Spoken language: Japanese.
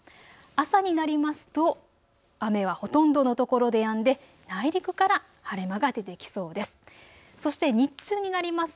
朝になりますと雨はほとんどの所でやんで内陸から晴れ間が出てきそうです。